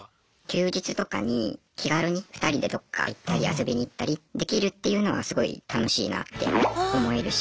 休日とかに気軽に２人でどっか行ったり遊びに行ったりできるっていうのがすごい楽しいなって思えるし。